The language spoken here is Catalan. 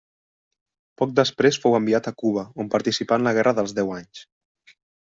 Poc després fou enviat a Cuba, on participà en la Guerra dels Deu Anys.